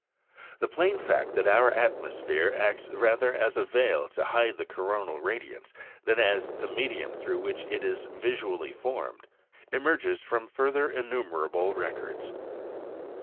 The plain fact, that our atmosphere acts rather as a veil to hide the coronal radiance than as the medium through which it is visually formed, emerges from further innumerable records.